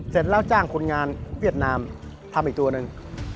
เสร็จแล้วจ้างคนงานเวียดนามทำอีกตัวหนึ่ง